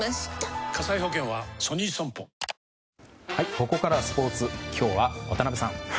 ここからはスポーツ今日は渡辺さん。